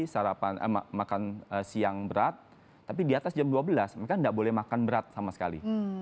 sarapan makan siang berat tapi di atas jam dua belas mereka tidak boleh makan berat sama sekali